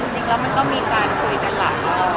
จริงแล้วมันก็มีการพูดกันหลายมากแล้ว